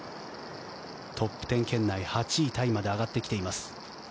トップ１０圏内８位タイまで上がってきています。